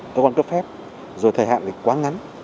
cơ quan cấp phép rồi thời hạn quá ngắn